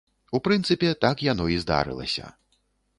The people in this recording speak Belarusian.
У прынцыпе, так яно і здарылася.